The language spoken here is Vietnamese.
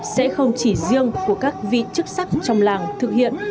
sẽ không chỉ riêng của các vị chức sắc trong làng thực hiện